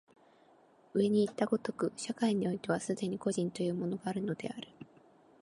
上にいった如く、社会においては既に個人というものがあるのである。